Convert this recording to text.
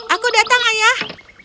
aku datang ayah